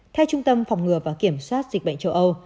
theo trung tâm phòng ngừa và kiểm soát dịch bệnh châu âu